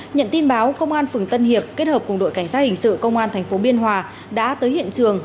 nhận tin báo công an phường tân hiệp kết hợp cùng đội cảnh sát hình sự công an tp biên hòa đã tới hiện trường